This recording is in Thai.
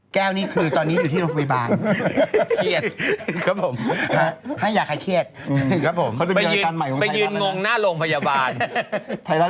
แก้วนี้คือตอนนี้อยู่ที่โรงพยาบาล